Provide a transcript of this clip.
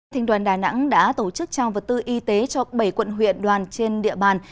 thành đoàn đà nẵng đã tổ chức trao vật tư y tế cho bảy quận huyện đoàn trên địa bàn